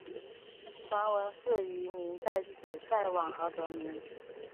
传闻是渔民在此晒网而得名。